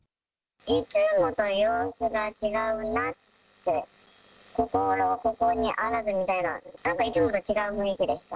いつもと様子が違うなって、心ここにあらずみたいな、なんかいつもと違う雰囲気でした。